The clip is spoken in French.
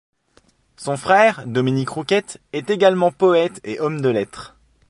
Son frère, Dominique Rouquette, est également poète et homme de lettres.